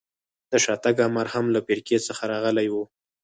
د شاتګ امر هم له فرقې څخه راغلی و.